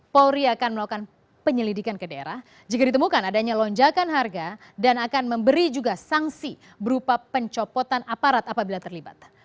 polri akan melakukan penyelidikan ke daerah jika ditemukan adanya lonjakan harga dan akan memberi juga sanksi berupa pencopotan aparat apabila terlibat